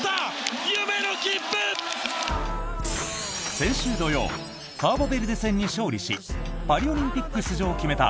先週土曜カーボベルデ戦に勝利しパリオリンピック出場を決めた